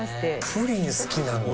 プリン好きなんだよ。